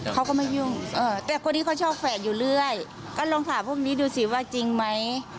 เขาก็ไม่ยุ่งแต่คนที่เขาชอบแฝดอยู่เรื่อยก็ลองถามพวกนี้ดูสิว่าจริงไหม